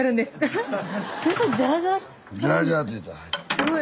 すごい。